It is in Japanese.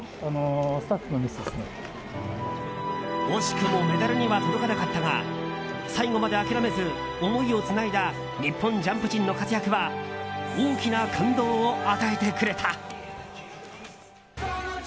惜しくもメダルには届かなかったが最後まで諦めず思いをつないだ日本ジャンプ陣の活躍は大きな感動を与えてくれた。